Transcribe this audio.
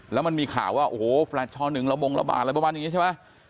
แล้วมันมีข่าวว่าโอ้โหแฟลตช๑ระบงระบาดอะไรประมาณอย่างนี้ใช่ไหม